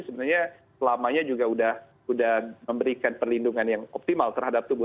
sebenarnya selamanya juga sudah memberikan perlindungan yang optimal terhadap tubuh